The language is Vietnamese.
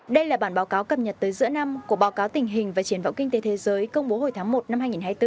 đây là bản báo cáo cập nhật tới giữa năm của báo cáo tình hình và triển vọng kinh tế thế giới công bố hồi tháng một năm hai nghìn hai mươi bốn